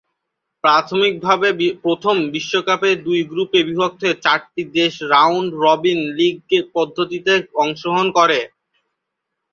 প্রাথমিকভাবে প্রথম বিশ্বকাপে দুই গ্রুপে বিভক্ত হয়ে চারটি দেশ রাউন্ড-রবিন লীগ পদ্ধতিতে অংশগ্রহণ করে।